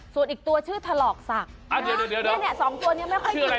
ส่วนอีกตัวชื่อทะหรอกศักดิ์